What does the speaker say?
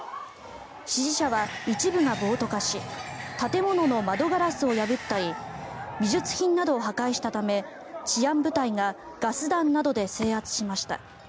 支持者は一部が暴徒化し建物の窓ガラスを破ったり美術品などを破壊したため治安部隊がガス弾などで制圧しました。